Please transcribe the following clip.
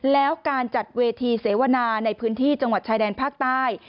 แล้วการจัดเวทีเสวนาในพื้นที่จังหวัดชายแดนภาคใต้